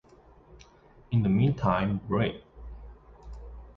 In the meantime Brig.